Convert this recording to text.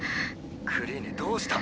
クリーネどうした？